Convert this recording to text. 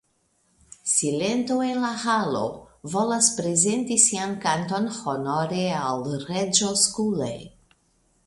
Silento en la Halo; volas prezenti sian kanton honore al reĝo Skule.